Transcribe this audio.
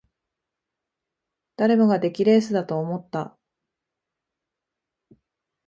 誰もが出来レースだと思った